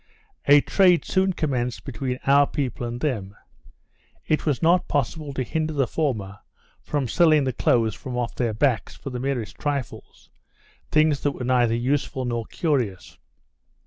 A trade soon commenced between our people and them. It was not possible to hinder the former from selling the clothes from off their backs for the merest trifles, things that were neither useful nor curious.